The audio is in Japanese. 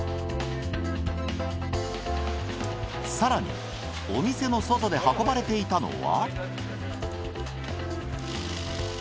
更にお店の外で運ばれていたのは。